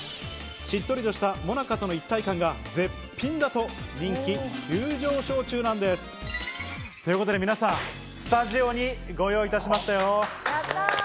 しっとりとしたモナカとの一体感が絶品だと人気急上昇中なんです。ということで皆さんスタジオにご用意いたしましたよ。